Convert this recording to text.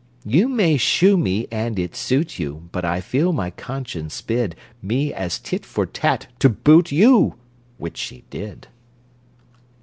"You may shoo me, and it suit you, But I feel my conscience bid Me, as tit for tat, to boot you!" (Which she did.)